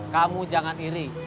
kamu jangan iri